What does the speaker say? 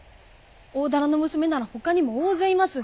大店の娘ならほかにも大勢います。